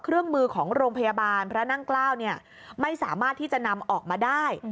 เครื่องมือของโรงพยาบาลพระนั่งเกล้าไม่สามารถที่จะนำออกมาได้